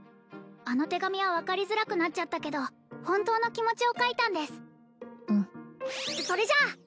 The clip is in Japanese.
あの手紙は分かりづらくなっちゃったけど本当の気持ちを書いたんですうんそれじゃあ！